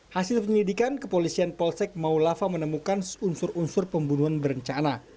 hasil penyelidikan kepolisian polsek maulava menemukan unsur unsur pembunuhan berencana